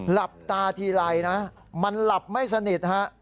หลับตาทีไรนะมันหลับไม่สนิทฮะ